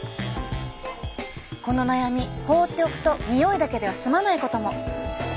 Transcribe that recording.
この悩み放っておくとにおいだけでは済まないことも。